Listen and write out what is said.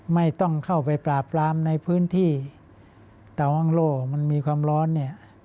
ไม่ต้องเข้าไปปราบร้ำในพื้นที่เตาห้องโล่มันมีความร้อน